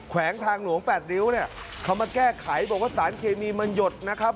แวงทางหลวง๘ริ้วเนี่ยเขามาแก้ไขบอกว่าสารเคมีมันหยดนะครับ